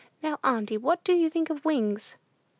Now, auntie, what do you think of Wings?"